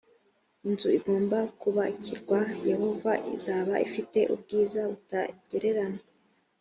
inzu igomba kubakirwa yehova izaba ifite ubwiza butagereranywa